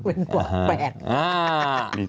เป็นหวังแปลก